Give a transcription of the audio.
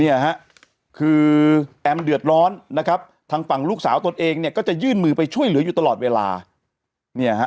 เนี่ยฮะคือแอมเดือดร้อนนะครับทางฝั่งลูกสาวตนเองเนี่ยก็จะยื่นมือไปช่วยเหลืออยู่ตลอดเวลาเนี่ยฮะ